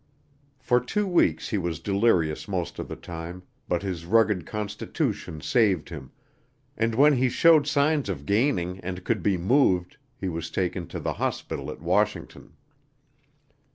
For two weeks he was delirious most of the time, but his rugged constitution saved him, and when he showed signs of gaining and could be moved, he was taken to the hospital at Washington.